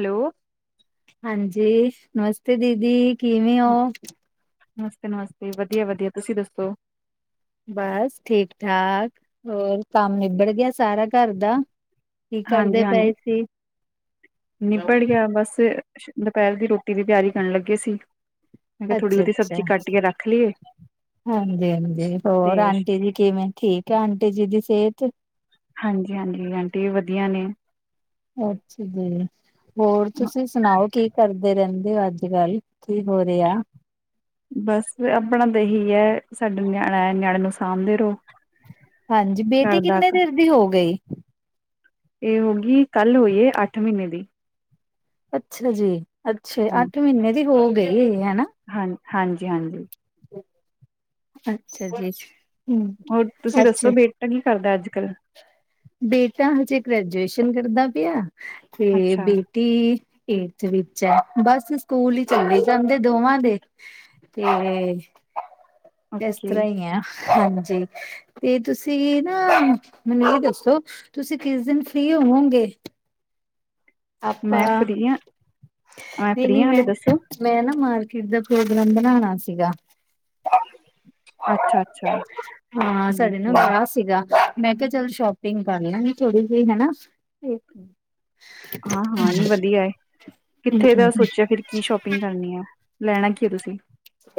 Hello. ਹਾਂਜੀ ਨਮਸਤੇ ਦੀਦੀ ਕਿਵੇਂ ਉ? ਨਮਸਤੇ- ਨਮਸਤੇ ਵਧੀਆ- ਵਧੀਆ ਤੁਸੀਂ ਦੱਸੋ? ਬਸ ਠੀਕ- ਠਾਕ ਹੋਰ ਕੰਮ ਨਿਬੜ ਗਿਆ ਸਾਰਾ ਘਰ ਦਾ? ਕੀ ਹਾਂਜੀ ਕਰਦੇ ਪਏ ਹਾਂਜੀ ਸੀ? ਨਿਬੜ ਗਿਆ ਬਸ ਦੁਪਹਿਰ ਦੀ ਰੋਟੀ ਦੀ ਤਿਆਰੀ ਕਰਨ ਲੱਗੇ ਸੀ। ਕਿਹਾ ਥੋੜ੍ਹੀ ਬਹੁਤੀ ਅੱਛਾ-ਅੱਛਾ। ਸਬਜ਼ੀ ਕੱਟ ਕੇ ਰੱਖ ਲਈਏ ਹਾਂਜੀ- ਹਾਂਜੀ ਹੋਰ ਤੇ ਆਂਟੀ ਜੀ ਕਿਵੇਂ ਠੀਕ ਐ ਆਂਟੀ ਜੀ ਦੀ ਸਿਹਤ? ਹਾਂਜੀ- ਹਾਂਜੀ ਆਂਟੀ ਵੀ ਵਧੀਆ ਨੇ। ਅੱਛਾ ਜੀ ਹੋਰ ਤੁਸੀਂ ਸੁਣਾਓ? ਕੀ ਕਰਦੇ ਰਹਿੰਦੇ ਅੱਜ ਕੱਲ, ਕੀ ਹੋ ਰਿਆ? ਬਸ ਆਪਣਾ ਤਾਂ ਇਹੀ ਐ ਸਾਡੇ ਨਿਆਣਾ ਨਿਆਣੇ ਨੂੰ ਸਾਂਭਦੇ ਰਹੋ। ਹਾਂਜੀ ਘਰ ਬੇਟੀ ਦਾ ਕਿੰਨੇ ਚੀਰ ਦੀ ਹੋ ਗਈ? ਇਹ ਹੋਗੀ ਕੱਲ ਹੋਈ ਏ ਅੱਠ ਮਹੀਨੇ ਦੀ। ਅੱਛਾ ਜੀ, ਅੱਛਾ ਹਾਂ ਅੱਠ ਮਹੀਨੇ ਦੀ ਹੋ ਗਈ ਈ ਹੈਨਾ। ਹਾਂ, ਹਂਜ, ਹਂਜੀ। ਅੱਛਾ ਜੀ। ਹੂੰ, ਹੋਰ ਤੁਸੀਂ ਅੱਛਾ ਦੱਸੋ ਬੇਟਾ ਕੀ ਕਰਦਾ ਅੱਜ ਕੱਲ੍ਹ,। ਬੇਟਾ ਹਜੇ ਗ੍ਰੈਜੂਏਸ਼ਨ ਕਰਦਾ ਪਿਆ ਤੇ ਅੱਛਾ ਬੇ- ਟੀ ਈ ਥੇ ਚੈ ਬੱਸ ਸਕੂਲ ਈ ਚੱਲੀ ਜਾਂਦੇ ਦੋਵਾਂ ਦੇ ਏ। ਏਸ ਓਕੇ ਤਰ੍ਹਾਂਈ ਐ ਹਂਜੀ, ਏ ਤੁਸੀਂ ਨਾ ਮੈਨੂੰ ਦਸੋ। ਸੋ ਤੁਸੀ ਕਿਸ ਦਿਨ ਫ੍ਰਰੀ ਹੋਵੋਂਗੇ। ਮੈਂ ਆਪਾਪਾ, ਫ੍ਰੀ ਹਾਂ ਫ੍ਰੀ ਨੀਨੀ ਹਾਂ ਹਲੇ ਮੈਂ ਦੱਸੋ ਮੈਂ ਨਾ ਮਾਰਕੀਟ ਦਾ ਪ੍ਰੋਗਰਾਮ ਬਨਾਨਾ ਸੀਗਾ। ਅੱਛਾ ਅੱਛਾ ਹਾਂ ਸਾਡੇ ਠੀਕ ਨਾ ਹੈ ਪਾਸ ਸੀਗਾ। ਮੈਂ ਕਿਆ ਚਲ ਸੌ਼ਪਿੰਗ ਕਰਲਾਂਗੀ ਥੋੜੀ ਜਿਹੀ ਹੈਨਾ ਤੇ। ਹਾਂ, ਹਾਂ ਨੀ ਵਧੀਆ ਏ ਕਿੱਥੇ ਦਾ ਇਹ ਸੋਚਿਆ। ਫਿਰ ਕੀ ਸੌ਼ਪਿੰਗ ਕਰਨੀਐ ਲੈਨਾ ਕੀਅ ਤੁਸੀਂ।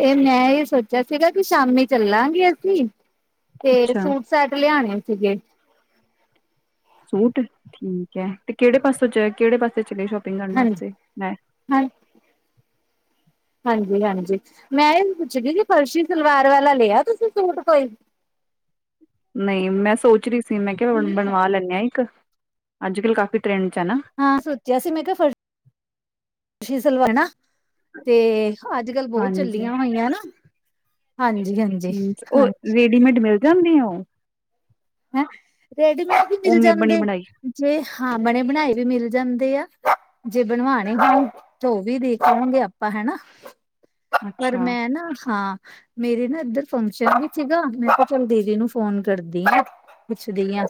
ਏ ਮੈਂ ਏ ਸੋਚਿਆ ਸੀਗਾ ਕੀ ਸ਼ਾਮੀ ਚੱਲਾਂਗੇ। ਅਸੀਂ ਤੇ ਅੱਛਾ ਸੂਟ ਸੈਟ ਲਿਆਨੇ ਸੀਗੇ। ਸੂਟ ਠੀਕ ਐ, ਤੇ ਕੇੜੇ ਪਾਸੋ ਚ ਕੇੜੇ ਪਾਸੇ ਚਲੇ ਸ਼ੋਪਿੰਗ ਕਰਨ ਵਾਸਤੇ। ਮੈਂ ਹਂਜੀ, ਹਂਜੀ, ਹਂਜੀ ਮੈਂ ਏਅ ਪੁੱਛਦੀ ਫਰਸ਼ੀ ਸਲਵਾਰ ਵਾਲਾ ਲਿਐ ਤੁਸੀਂ ਸੂਟ ਕੋਈ? ਨਈਂ ਮੈਂ ਸੋਚ ਰੀ ਸੀ, ਮੈਂ ਕਿਆ ਬਨ ਬਨਵਾ ਲੈਨੈ ਆਂ, ਇੱਕ ਅੱਜ- ਕੱਲ ਕਾਫ਼ੀ ਟਰੈਂਡ ਹੈਨਾ। ਹਾਂ ਸੋਚਿਆ ਸੀ, ਮੈਂ ਕਿ ਫਰਸੀ਼ ਸਲਵਾਰ ਨਾ ਤੇਅ ਅੱਜ -ਕੱਲ੍ਹ ਬੋਤ ਹਾਂਜੀ ਚੱਲੀਆਂ ਹੋਈਐਂ ਨਾ ਹਂਜੀ, ਹਂਜੀ। ਹੂਂੰ ਔ ਰੇਡੀਮੇਡ ਮਿਲ ਜਾਂਦੀਂ ਔ। ਹੈਂ, ਰੇਡੀਮੇਡ ਵੀ ਮਿਲ ਬਣੀ ਜੈਂਦੇ। ਬਣਾਈ ਜੇ ਹਾਂ ਬਨੇਬਨਾਏ ਵੀ ਮਿਲ ਜਾਂਦੇ ਆ, ਜੇ ਬਨਵਾਨੇ ਹੋਨ ਤੋ ਔਵੀ ਦੇਖ ਲੋਂਗੇ ਆਪਾਂ ਹੈਨਾ। ਪਰ ਅੱਛਾ ਮੈਂ ਨਾ ਹਾਂ ਮੇਰੇ ਨਾਂ ਇੱਧਰ ਫੰਕਸ਼ਨ ਵੀ ਸੀਗਾ। ਮੈਂਕਾਂ ਚਲ ਦੀਦੀ ਨੂੰ ਫੋਨ ਕਰਦੀ ਆਂ। ਪੁੱਛਦੀਆਂ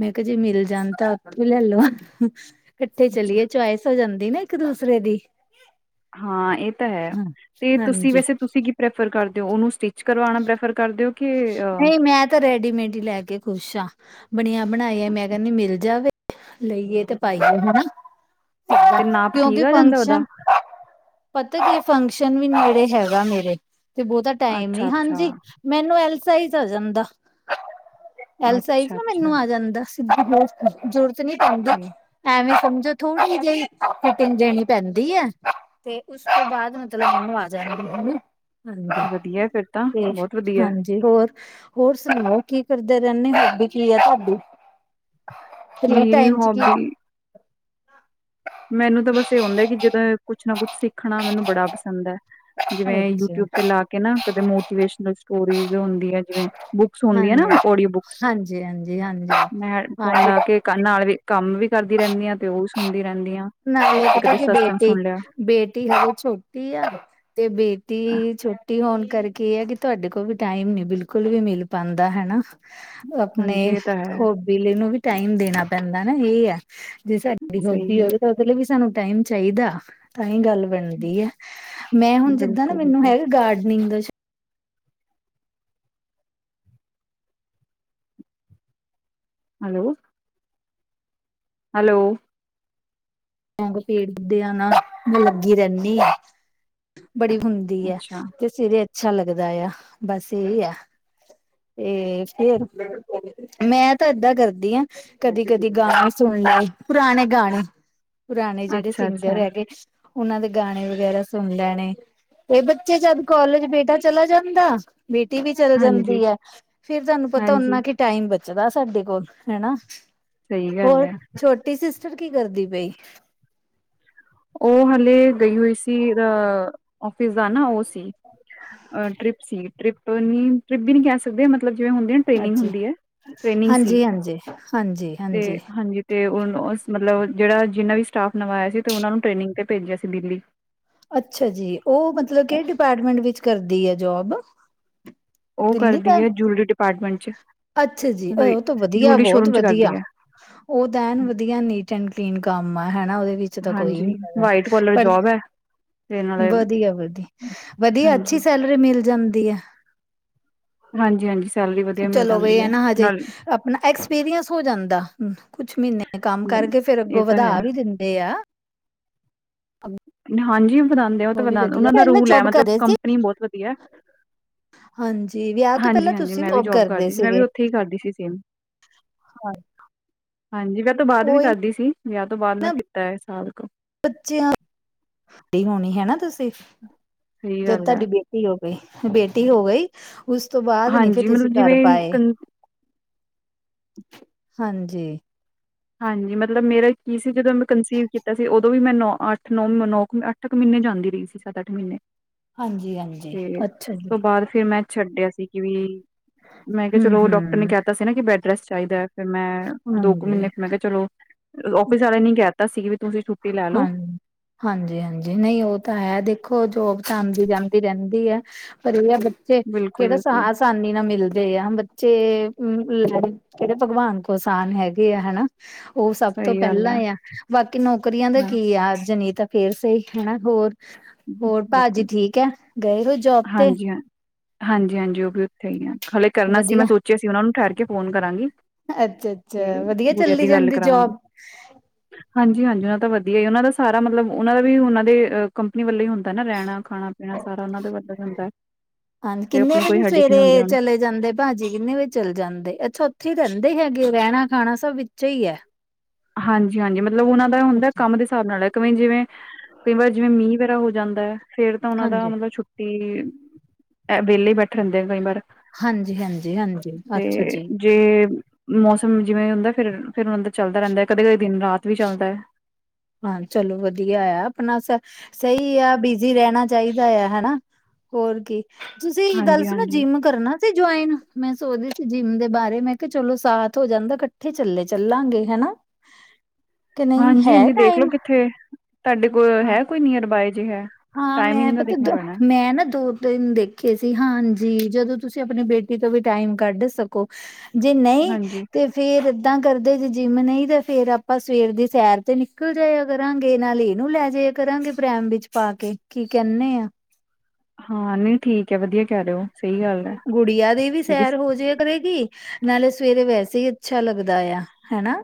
ਮੈਂਕਾ ਜੇ ਮਿਲ ਜਾਨ ਤਾਂ ਆ ਪੇ ਲੈ ਲਾਂ। ਕੱਠੇ ਅੱਛਾ ਚੱਲੀਏ ਚੁਆਇਸ ਔ ਜੈਂਦੀ ਨਾ ਇੱਕ ਦੂਸਰੇ ਦੀ। ਹਾਂ ਏਤਾਂ ਹੈ ਤੇ ਤੁਸੀਂ ਹਾਂਜੀ ਵੈਸੇ ਤੁਸੀਂ ਕਿਥੇ ਪ੍ਰੈਫਰ ਕਰਦੇਔ ਉਨੂੰ ਸਟਿੱਚ ਕਰਵਾਨਾ ਪ੍ਰੈਫਰ ਕਰਦੇਔ। ਨਈ ਮੈਂ ਤਾ ਰੈਡੀਮੇਡ ਈ ਲੈ ਕੇ ਖੁਸ਼ਆ ਬਨਿਆਂ ਬਨਾਇਆ ਮੈਂ ਅੱਛਾ ਕੈਨੀਂ ਮਿਲ ਜਾਵੇ। ਲਈਏ ਤੇ ਪਾਈਏ ਤੇ ਨਾਪ ਠੀਕ ਹੈਨਾਕਿਉਕਿ ਆ ਜਾਂਦਾ ਉਹਦਾ ਫੰਕਸ਼ਨ - ਪਤਾ ਕੀ ਫੰਕਸ਼ਨ ਵੀ ਨੇੜੇ ਹੈਗਾ। ਮੇਰੇ ਤੇ ਬੋਤਾ ਟਾਈਮ ਅੱਛਾ ਨੀ ਅੱਛਾ ਹਂਜੀ, ਮੈਨੂੰ ਐੱਲ ਸਾਈਜ ਆ ਜੈਂਦਾ। ਐਲ ਸਾਈਜ਼ ਅੱਛਾ ਨਾ ਅੱਛਾ ਮੈਨੂੰ ਆ ਜੈਂਦਾ ਜੂਰਤ ਨੀਂ ਪੈਂਦੀ। ਤੇ ਐਵੇਂ ਸਮਝੋ ਥੋੜ੍ਹੀ ਜਿਹੀ ਫਿਟਿੰਗ ਦੇਨੀ ਪੈਂਦੀਐ। ਤੇ ਉਸ ਤੋਂ ਬਾਦ ਮਤਲਬ ਮੈਨੂੰ ਆ ਜਾੜਗੇ ਹੈਨਾ। ਵਧੀਆ ਹਂਜੀ, ਫਿਰ ਤਾਂ ਤੇ ਬਹੁਤ ਵਧੀਆ ਹਂਜੀ। ਹੋਰ, ਹੋਰ ਸਨਾਔ ਕੀ ਕਰਦੇ ਰੈਂਨੇਔ ਹੋਬੀ ਕੀ ਐ ਤੁੱਡੀ? ਫਰੀ ਮੇਰੀ ਟਾਈਮਸ ਕੀ। ਹੋਬੀ ਮੈਨੂੰ ਤ ਬਸ ਏ ਹੋਂਦੈ ਕਿ ਜਦੋਂ ਕੁਛ ਨਾ ਕੁਛ ਸਿੱਖਨਾ ਮੈਨੂੰ ਬੜਾ ਪਸੰਦ ਐ। ਅੱਛਾ ਜਿਵੇ ਹਾਂਜੀ ਯੂਟਿਊਬ ਤੇ ਲਾ ਕੇ ਨਾ ਕਦੇ ਮੋਟੀਵੇਸ਼ਨਲ ਸਟੋਰੀਜ ਔਦੀਐਂ ਜਿਵੇ ਬੁੱਕਸ ਹੁੰਦੀਆਂ ਨਾ, ਹਾਂਜੀ ਓਡੀਓ ਬੁੱਕਸ, ਹਾਂਜੀ ਹਾਂਜੀ ਮੈਂ ਫੋਨ ਹਾਂਜੀ ਲਾ ਕੇ ਕੰਨ ਨਾਲ ਵੀ, ਕੰਮ ਵੀ ਕਰਦੀ ਰਹਿੰਦੀ ਆ, ਤੇ ਓਵੀ ਸੁਣਦੀ ਰੈਂਦੀ ਆ। ਨਾਲੇ ਆ ਪਤਾ ਕੀ ਬੇਟੀ, ਬੇਟੀ ਹਜੇ ਛੋਟੀ ਆ। ਤੇ ਬੇਟੀ, ਛੋਟੀ ਹੋਣ ਕਰਕੇ, ਏ ਐ ਕਿ ਤੁਹਾਡੇ ਕੋਲ ਵੀ ਟਾਈਮ ਨੀਂ ਬਿਲਕੁਲ ਵੀ ਮਿਲ ਪਾਂਦਾ ਹਨਾ। ਅਪਣੇ ਹਾਂਜੀ ਇਹ ਤਾਂ ਹੈ ਹੋਬੀਲੇ ਨੂੰ ਵੀ ਟਾਈਮ ਦੇਣਾ ਪੈਂਦਾ, ਏ ਐ। ਜੇ ਸਾਡੀ ਸਹੀ ਹੋਬੀ ਹੈ ਹੋਵੇ ਤੇ ਉਹਦੇ ਲਈ ਵੀ ਸਾਨੂੰ ਟਾਈਮ ਚਾਈਦਾ, ਤਾਂਹੀ ਗੱਲ ਬਣਦੀਐ, ਮੈਂ ਹੁਣ ਜਿੱਦਾਂ ਨਾ ਬਿਲਕੁਲ ਮੈਨੂੰ ਬਿਲਕੁਲ ਹੈਗਾ ਗਾਡਨਿੰਗ ਦਾ ਸ਼ੌ ਹੈਲੋ ਹੈਲੋ ਅੱਗੋਂ ਪੀੜ ਦਿਆਂ ਨਾ, ਮੈਂ ਲੱਗੀ ਰਹਿੰਦੀ ਆ, ਬੜੀ ਹੁੰਦੀ ਹੈ। ਅੱਛਾ ਜਿਸ ਸਿਰੇ ਅੱਛਾ ਲੱਗਦਾ ਆ। ਬਸ ਇਹ ਆ, ਤੇ ਫਿਰ ਮੈਂ ਤਾਂ ਐਦਾਂ ਕਰਦੀ ਆਂ। ਕਦੀ-ਕਦੀ ਗਾਣੇ ਸੁਣ ਲਏ, ਪੁਰਾਣੇ ਗਾਣੇ ਪੁਰਾਣੇ ਜੇੜੇ ਅੱਛਾ ਸਿੰਗਰ ਅੱਛਾ ਹੈਗੇ। ਉਹਨਾਂ ਦੇ ਗਾਣੇ ਵਗੈਰਾ ਸੁਣ ਲੈਣੇ। ਇਹ ਬੱਚੇ ਜਦ ਕੌਲਜ ਬੇਟਾ ਚਲਾ ਜਾਂਦਾ। ਬੇਟੀ ਵੀ ਚੱਲ ਹਾਂਜੀ ਜਾਂਦੀ ਹੈ। ਫੇਰ ਤਾਨੂੰ ਪਤਾ ਉਨਾਂ ਹਾਂਜੀ ਕਿ ਟਾਈਮ ਬਚਦਾ ਸਾਡੇ ਕੋਲ, ਹੈਨਾ। ਸਹੀ ਗੱਲ ਹੋਰ, ਹੈ ਛੋ ਤੇ ਸਿਸਟਰ ਕੀ ਕਰਦੀ ਪਈ? ਉਹ ਹਲੇ ਗਈ ਹੋਈ ਸੀ। ਅ ਔਫਿਸ ਦਾ ਨਾ ਓ ਸੀ, ਟ੍ਰਿਪ ਸੀ, ਟ੍ਰਿਪਨੀ ਟ੍ਰਿਪ ਵੀ ਨੀ ਕਹਿ ਸਕਦੇ, ਮਤਲਬ ਜਿਵੇਂ ਹੁੰਦੀ ਟੇਨਿੰਗ ਅੱਛਾ ਹੁੰਦੀ ਐ। ਹਾਂਜੀ, ਹਾਂਜੀ, ਹਾਂਜੀ, ਹਾਂਜੀ ਤੇ ਓ, ਉਹਸ ਮਤਲਬ ਜੇੜਾ ਜਿੰਨਾ ਵੀ ਸਟਾਫ ਨਵਾਂ ਆਇਆ ਸੀ। ਤੇ ਉਹਨਾ ਨੂੰ ਟ੍ਰੇਨਿੰਗ ਤੇ ਭੇਜਿਆ ਸੀ। ਦਿੱਲੀ ਅੱਛਾ ਜੀ, ਉਹ ਮਤਲਬ ਕੇੜੇ ਡਿਪਾਟਮੈਂਟ ਵਿੱਚ ਕਰਦੀ ਆ ਜੋਬ ਉਹ ਦਿੱਲੀ ਕਰਦੀ ਕਰ ਆ ਜੂਲਰੀ ਡਿਪਾਟਮੈਂਟ ਅੱਛਾ ਜੀ, ਅ ਉਹ ਵਧੀਆ, ਬਹੁਤ ਸ਼ੋਰੂਮ ਚ ਕਰਦੀ ਵਧੀਆ‌। ਹੈ ਉਹ ਤਾਂ ਐਨ ਵਧੀਆ ਨੀਟ ਐਂਡ ਕਲੀਨ ਕੰਮ ਆ, ਹੈਨਾ ਉਹਦੇ ਵਿੱਚ ਤਾਂ ਕੋਈ ਹਾਂਜੀ ਨੀ ਹੈਗਾ। ਵਾਈਟ ਕੋਲਰ ਪਰ ਜੋਬ ਹੈ ਤੇ ਨਾਲੇ ਵਧੀਆ-ਵਧੀਆ, ਵਧੀਆ ਹਾਂਜੀ ਅੱਛੀ ਸੈਲਰੀ ਮਿਲ ਜਾਂਦੀ ਆ। ਹਾਂਜੀ-ਹਾਂਜੀ ਚਲੋ ਵੇ ਆ ਨਾ ਹਜੇ ਆਪਣਾ ਐਕਸਪੀਰੀਅਸ ਹੋ ਜਾਂਦਾ। ਕੁਛ ਮਹੀਨੇ ਕੰਮ ਕਰਕੇ ਫੇਰ ਇਹ ਅੱਗੋਂ ਤਾਂ ਵਧਾ ਹੈ ਵੀ ਦਿੰਦੇ ਆ। ਹਾਂਜੀ ਵਧਾਂਦੇ ਓ ਤਾਂ ਉਹ ਵੀ ਵਧਾ, ਵਧੀਆ, ਉਨਾਂ ਦਾ ਪਹਿਲਾਂ ਰੂਲ ਹੈ। ਜੋਬ ਮਤਲਬ ਕਰਦੇ ਸੀ। ਕੰਪਨੀ ਬਹੁਤ ਵਧੀਆ ਹਾਂਜੀ, ਵਿਆਹ ਤੋਂ ਪਹਿਲਾਂ ਹਾਂਜੀ-ਹਾਂਜੀ ਤੁਸੀਂ ਮੈਂ ਵੀ ਜੋਬ ਕਰਦੇ ਕਰਦੀ ਸੀ। ਮੈਂ ਵੀ ਉੱਥੇ ਹੀ ਕਰਦੀ ਸੀ। ਸੇਮ ਹਟ ਹਾਂਜੀ, ਮੈਂ ਬਾਅਦ ਵੀ ਕਰਦੀ ਸੀ। ਵਿਆਹ ਤੋਂ ਬਾਅਦ ਮੈਂ ਕੀਤਾ, ਇਹ ਸਾਲ ਕੁ ਬੱਚਿਆਂ, ਐਡੀ ਹੋਣੀ ਹੈ ਨਾ ਤੁਸੀਂ, ਸਹੀ ਜਦ ਗੱਲ ਹੈ ਤਾਡੀ ਬੇਟੀ ਟੀ ਹੋ ਗਈ, ਬੇਟੀ ਹੋ ਗਈ। ਉਸ ਤੋਂ ਬਾਅਦ ਨੀ ਫਿਰ ਹਾਂਜੀ ਤੁਸੀਂ ਮਤਲਬ ਕਰ ਜਿਵੇਂ ਪਾਏ। ਕੰ ਹਾਂਜੀ ਹਾਂਜੀ, ਮਤਲਬ ਮੇਰਾ ਕੀ ਸੀ। ਜਦੋਂ ਮੈਂ ਕੰਸੀਵ ਕੀਤਾ ਸੀ। ਉਦੋਂ ਵੀ ਮੈਂ ਨੌ, ਅੱਠ ਨੌ-ਨੌ ਮ ਇੱਕ ਮਹੀਨੇ ਤਕ ਜਾਂਦੀ ਰਹੀ ਸੀ। ਸੱਤ- ਅੱਠ ਮਹੀਨੇ ਹਾਂਜੀ ਹਾਂਜੀ ਤੇ, ਅੱਛਾ ਉਸ ਜੀ ਤੋਂ ਬਾਅਦ ਫੇਰ ਮੈਂ ਛੱਡਿਆ ਸੀ। ਕਿ ਵੀ ਮੈਂ ਕਿਹਾ ਹਮ ਚਲੋ ਡਾਕਟਰ ਨੇ ਹਮ ਕਹਿਤਾ ਸੀ ਨਾ ਕਿ ਬੈਡ ਰੈਸਟ ਚਾਹੀਦਾ। ਫੇਰ ਮੈਂ ਦੋ ਕੁ ਹਾਂਜੀ ਮਹੀਨੇ ਮੈਂ ਕਿਹਾ ਚਲੋ, ਔਫਿਸ ਵਾਲੇ ਨੇ ਕਹਿ ਦਿੱਤਾ ਸੀ। ਤੁਸੀਂ ਛੁੱਟੀ ਲੈ ਲਓ। ਹਾਂਜੀ-ਹਾਂਜੀ ਨਹੀਂ ਉਹ ਤਾਂ ਹੈ। ਦੇਖੋ ਜੋਬ ਤਾਂ ਆਂਉਦੀ ਜਾਂਦੀ ਰਹਿੰਦੀ ਆ। ਪਰ ਇਹ ਆ ਬ ਬੱਚੇ, ਕਿਹੜੇ ਬਿਲਕੁਲ-ਬਿਲਕੁਲ ਸਾਹਸ ਆਸਾਨੀ ਨਾਲ ਮਿਲਦੇ ਆ। ਬੱਚੇ, ਲੈ ਕਿਹੜੇ ਭਗਵਾਨ ਕੋ ਆਸਾਨ ਹੈਗੇ ਆ, ਹੈਨਾ। ਉਹ ਸਭ ਤੋਂ ਸਹੀ ਗੱਲ ਪਹਿਲਾਂ ਹੈ ਆ। ਬਾਕੀ ਨੌਕਰੀਆਂ ਦਾ ਹਾਂ ਕੀ, ਅਜ ਨੀ ਤ ਫੇਰ ਸਈ ਹੈਨਾ ਹੋਰ, ਹੋਰ ਭਾਅਜੀ ਬਿਲਕੁਲ ਠੀਕ ਐ ਗਏ ਹੋੋਏ ਜੋਬ ਤੇ? ਹਾਂਜੀ-ਹਾਂਜੀ ਓ ਵੀ ਉੱਥੇ ਹੀ ਆ ਹਾਲੇ ਕਰਨਾ ਸੀ ਵਧੀਆ ਮੈਂ ਸੋਚਿਆ ਸੀ ਉਨਾਂ ਨੂੰ ਠਹਿਰ ਕੇ ਫ਼ੋਨ ਕਰਾਂਗੀ। ਤੇ ਅੱਛਾ-ਅੱਛਾ ਵਧੀਆ ਗੁੜੀਆਂ ਚੱਲੀ ਦੀ ਗੱਲ ਜਾਂਦੀ ਕਰਾਵਾਂਗੀ। ਜੋਬ? ਹਾਂਜੀ-ਹਾਂਜੀ ਉਨਾਂ ਦਾ ਵਧੀਆ ਉਨਾਂ ਦਾ ਸਾਰਾ ਮਤਲਬ ਉਨਾਂ ਦਾ ਵੀ ਉਨਾਂ ਦੇ ਅ ਕੰਪਨੀ ਵੱਲੋਂ ਈ ਹੁੰਦਾ ਨਾ ਰੈਂਣਾ, ਖਾਣਾ ਪੀਣਾ ਸਾਰਾ ਉਨਾਂ ਦੇ ਵਲੋਂ ਈ ਹੁੰਦਾ ਐ ਹਾਂ 'ਤੇ ਆਪਣੀ ਕੋਈ ਹੈਡਿਕ ਨੀ ਹੁੰਦੀ ਉਨਾਂ ਨੂੰ। ਭਾਅਜੀ ਕਿੰਨੇ ਵਜੇ ਚੱਲ ਜਾਂਦੇ ਅੱਛਾ ਉੱਥੇ ਹੀ ਰੈਂਦੇ ਹੈਗੇ ਰੈਣਾ, ਖਾਣਾ ਸਭ ਵਿੱਚੇ ਈ ਐ। ਹਾਂਜੀ-ਹਾਂਜੀ ਮਤਲਬ ਉਨਾਂ ਦਾ ਹੁੰਦਾ ਅੱਛਾ ਕੰਮ ਦੇ ਹਿਸਾਬ ਨਾਲ ਐ ਕਿਵੇਂ ਜਿਵੇਂ ਕਈ ਵਾਰ ਜਿਵੇਂ ਮੀਂ ਵੇਰਾ ਹੋ ਜਾਂਦਾ ਐ ਫੇਰ ਤਾਂ ਉਨਾਂ ਦਾ ਹਾਂਜੀ। ਮਤਲਬ ਛੁੱ ਟੀ, ਐ ਵੇਲੇ ਬੈਠੇ ਰੈਂਦੇ ਆ ਕਈ ਵਾਰ। ਹਾਂਜੀ-ਹਾਂਜੀ-ਹਾਂਜੀ ਤੇ ਅੱਛਾ ਜੀ। ਜੇ ਮੌਸਮ ਜਿਵੇਂ ਹੁੰਦਾ ਫੇਰ, ਫੇਰ ਉਨਾਂ ਦਾ ਚੱਲਦਾ ਰੈਂਦਾ ਕਦੇ-ਕਦੇ ਦਿਨ-ਰਾਤ ਵੀ ਚੱਲਦਾ ਐ। ਹਾਂ ਚਲੋ ਵਧੀਆ ਆ ਆਪਣਾ ਸ ਸਈ ਆ ਬਿਜ਼ੀ ਰੈਣਾ ਚਾਈਦਾ ਆ ਹਨਾ। ਹੋਰ ਕੀ ਤੁਸੀਂ ਗੱਲ ਹਾਂਜੀ ਸੁਣੋ ਹਾਂਜੀ ਜਿੰਮ ਕਰਨਾ ਸੀ ਜੁਆਇਨ ਮੈਂ ਸੋਚਦੀ ਸੀ ਜਿੰਮ ਦੇ ਬਾਰੇ ਮੈਂ ਕ ਚਲੋ ਸਾਥ ਹੋ ਜਾਂਦਾ ਕੱਠੇ ਚੱਲੇ ਚੱਲਾਂਗੇ ਹਨਾ‌। [inaudible] ਹਾਂਜੀ-ਹਾਂਜੀ ਦੇਖਲੋ ਕਿੱਥੇ ਤੁਹਾਡੇ ਕੋਲ ਹਾਂ ਹੈ ਕੋਈ ਨੀਅਰ ਬਾਏ ਜੇ ਹੈ। ਹਾਂ ਮੈਂ ਟਾਈਮਿੰਗ ਦਾ ਪਤਾ ਦ ਦੇਖਣਾ ਪੈਣਾ ਮੈਂ ਨਾ ਦੋ-ਤਿੰਨ ਦੇ ਖੇ ਸੀ ਹਾਂਜੀ ਜਦੋਂ ਤੁਸੀਂ ਆਪਣੀ ਬੇਟੀ ਤੋਂ ਵੀ ਟਾਈਮ ਕੱਢ ਸ ਕੋ ਜੇ ਨਈ ਹਾਂਜੀ ਤੇ ਫੇਰ ਏਦਾਂ ਕਰਦੇ ਜੇ ਜਿੰਮ ਨਈ ਤਾਂ ਫੇਰ ਆਪਾਂ ਸਵੇਰ ਦੀ ਸੈਰ ਤੇ ਨਿਕਲ ਜਾਏ ਆ ਕਰਾਂਗੇ ਨਾਲ ਏਨੂੰ ਲੈ ਜੇ ਕਰਾਂਗੇ ਪ੍ਰੈਮ ਵਿੱਚ ਪਾ ਕੇ ਕੀ ਕੈਂਨੇ ਆ। ਹਾਂ ਨਈ ਠੀਕ ਐ ਵਧੀਆ ਕੈ ਰੇ ਓ। ਗੁੜੀਆਂ ਦੀ ਵੀ ਸੈਰ ਹੋ ਜੇਆ ਕਰੇਗੀ ਨਾਲੇ ਸਵੇਰੇ ਵੈਸੇ ਈ ਅੱਛਾ ਲੱਗਦਾ ਆ ਹੈਨਾ।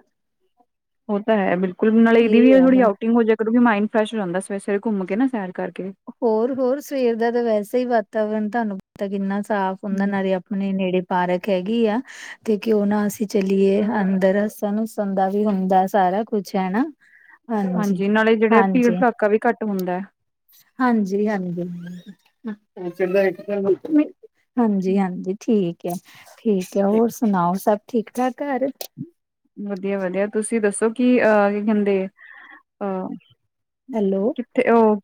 ਓ ਤਾਂ ਹੈ ਬਿਲਕੁੱਲ ਨਾਲ ਏਦੀ ਵੀ ਇਹ ਥੋੜੀ ਆ ਆਊਟਿੰਗ ਹੋ ਜਾਇਆ ਕਰੂਗੀਂ ਮਾਈੰਡ ਫਰੈਸ਼ ਹੋ ਜਾਂਦਾ ਸਵੇਰੇ-ਸਵੇਰੇ ਘੁੰਮ ਕੇ ਨਾ ਸੈਰ ਕਰਕੇ। ਹੋਰ-ਹੋਰ ਸਵੇਰ ਦਾ ਤਾਂ ਵੈਸਾ ਈ ਵਾਤਾਵਰਨ ਤੁਹਾਨੂੰ ਪਤਾ ਕਿੰਨਾ ਸਾਫ਼ ਹੁੰਦਾ ਨਾਲੇ ਆ ਪਣੇ ਨੇੜੇ ਪਾਰਕ ਹੈਗੀ ਆ। ਤੇ ਕਿਉਂ ਨਾ ਅਸੀਂ ਚੱਲੀਏ ਅੰਦਰ ਸਾਨੂੰ ਸੁਣ ਦਾ ਵੀ ਹੁੰਦਾ ਸਾਰਾ ਕੁਛ ਹੈਨਾ। [inaudible] ਹਾਂਜੀ ਨਾਲੇ ਜੇੜਾ ਭੀੜ ਭੜੱਕਾ ਵੀ ਘੱਟ ਹੁੰਦਾ ਐ। ਹਾਂਜੀ-ਹਾਂਜੀ। ਹੈ। ਹਾਂਜੀ-ਹਾਂਜੀ ਠੀਕ ਐ, ਠੀਕ ਐ ਤੇ ਹੋਰ ਸੁਣਾਓ ਸਭ ਠੀਕ ਠਾਕ ਘਰ? ਵਧੀਆ-ਵਧੀਆ ਤੁਸੀਂ ਦੱਸੋ ਕੀ ਅ ਕੀ ਕੈਂਦੇ, ਅ ਹੈਲੋ ਥੇ ਓ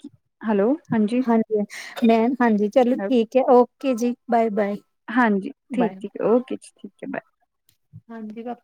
ਹੈਲੋ ਹਾਂਜੀ। ਵਧੀਆ ਮੈਂ ਹਾਂਜੀ ਚਲੋ ਠੀਕ ਐ ਓਕੇ ਜੀ ਬਾਏ-ਬਾਏ। ਹਾਂਜੀ ਬਾਏ। ਠੀਕ ਬਾਏ। ਏ ਓਕੇ ਜੀ ਠੀਕ ਐ ਬਾਏ। ਹਾਂਜੀ ਬਸ